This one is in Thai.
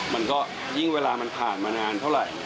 มันก็ยิ่งเวลามันผ่านมานานเท่าไหร่